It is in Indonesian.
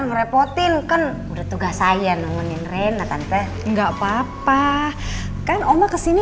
ngerepotin kan udah tugas saya nungguin rena tante enggak papa kan oma kesini